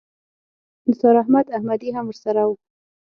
نثار احمد احمدي هم ورسره و.